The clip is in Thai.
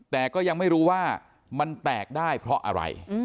แต่ก็ยังไม่รู้ว่ามันแตกได้เพราะอะไร